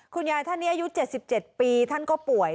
คุณยายท่านนี้อายุ๗๗ปีท่านก็ป่วย